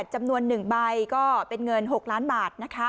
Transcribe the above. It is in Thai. จำนวน๑ใบก็เป็นเงิน๖ล้านบาท